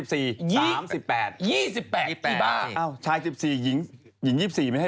สามสิบแปดยี่สิบแปดพี่บ้าอ้าวชาย๑๔หญิง๒๔ไม่ใช่เหรอ